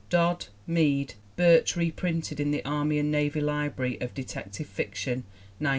Dodd, Mead. Burt reprinted in the Army and Navy Library of Detective Fiction, 1918.